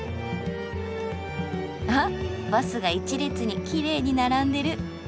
あっバスが一列にきれいに並んでる。